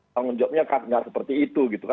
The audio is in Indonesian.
tanggung jawabnya kan nggak seperti itu